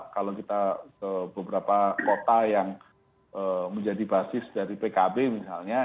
kalau kita ke beberapa kota yang menjadi basis dari pkb misalnya